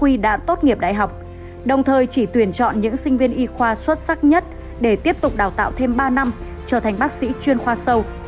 vì đã tốt nghiệp đại học đồng thời chỉ tuyển chọn những sinh viên y khoa xuất sắc nhất để tiếp tục đào tạo thêm ba năm trở thành bác sĩ chuyên khoa sâu